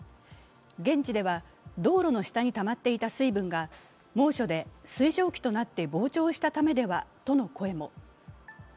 現地では道路の下にたまっていた水分が猛暑で水蒸気となった膨張したためではとの声も。